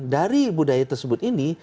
dari budaya tersebut ini